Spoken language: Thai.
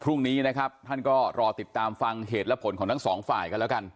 พรุ่งนี้นะครับท่านก็รอติดตามฟังเหตุและผลของทั้งสองฝ่ายกันแล้วกัน